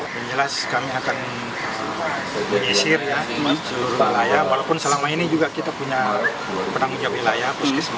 yang jelas kami akan menyisir seluruh wilayah walaupun selama ini juga kita punya penanggung jawab wilayah